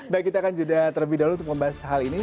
baik kita akan jeda terlebih dahulu untuk membahas hal ini